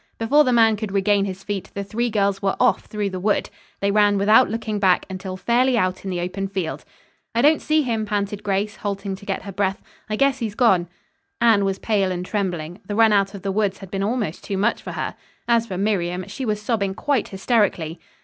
Before the man could regain his feet the three girls were off through the wood. They ran without looking back until fairly out in the open field. "I don't see him," panted Grace, halting to get her breath. "I guess he's gone." Anne was pale and trembling. The run out of the woods had been almost too much for her. As for Miriam, she was sobbing quite hysterically.